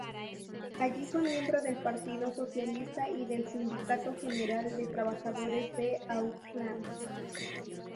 Allí fue miembro del Partido Socialista y del Sindicato General de Trabajadores de Auckland.